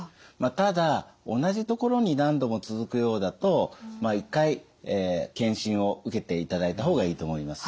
ただ同じところに何度も続くようだと一回検診を受けていただいた方がいいと思います。